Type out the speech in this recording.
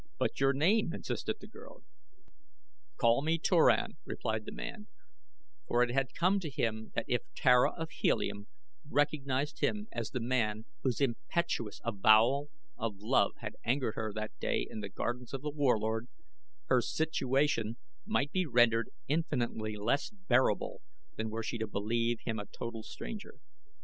"But your name?" insisted the girl. "Call me Turan," replied the man, for it had come to him that if Tara of Helium recognized him as the man whose impetuous avowal of love had angered her that day in the gardens of The Warlord, her situation might be rendered infinitely less bearable than were she to believe him a total stranger.